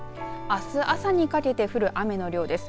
あす朝にかけて降る雨の量です。